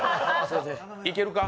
いけるか？